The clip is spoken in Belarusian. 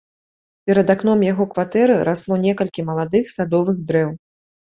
Перад акном яго кватэры расло некалькі маладых садовых дрэў.